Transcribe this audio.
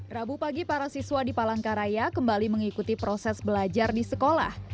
rabu pagi para siswa di palangkaraya kembali mengikuti proses belajar di sekolah